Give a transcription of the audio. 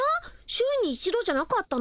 週に一度じゃなかったの？